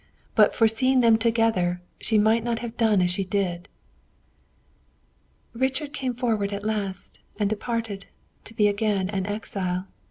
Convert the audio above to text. But for seeing them together, she might not have done as she did. "Richard came forth at last, and departed, to be again an exile.